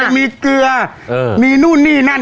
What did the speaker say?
มีเกลือมีนู่นนี่นั่น